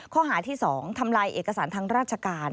ข้อหาที่๒ทำลายเอกสารทางราชการ